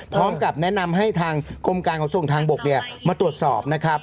พร้อมกับแนะนำให้ทางกรมการขนส่งทางบกมาตรวจสอบนะครับ